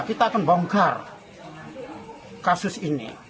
kita akan bongkar kasus ini